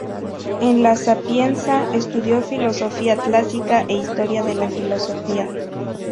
En "La Sapienza" estudió filosofía clásica e historia de la filosofía.